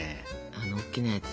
あのおっきなやつ？